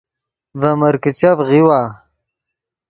ڤے مرکیچف غیؤوا